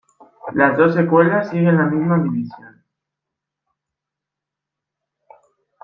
Las dos secuelas siguen la misma división.